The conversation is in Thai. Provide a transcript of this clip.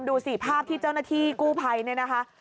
ดูสิภาพที่เจ้าหน้าที่กู้ภัยเนี่ยนะคะ